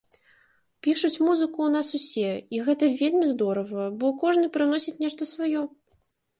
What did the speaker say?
Пішуць музыку ў нас усе, і гэта вельмі здорава, бо кожны прыўносіць нешта сваё.